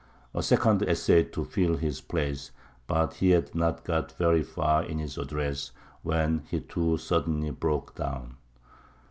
A second essayed to fill his place, but he had not got very far in his address when he too suddenly broke down.